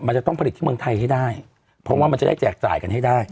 มันจะต้องผลิตที่เมืองไทยให้ได้เพราะว่ามันจะได้แจกจ่ายกันให้ได้